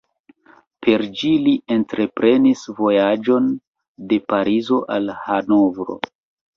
Per ĝi li entreprenis vojaĝon de Parizo al Hanovro.